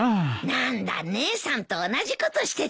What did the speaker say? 何だ姉さんと同じことしてたのか。